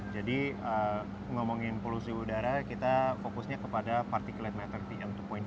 jadi ngomongin polusi udara kita fokusnya kepada partikel netter tn dua lima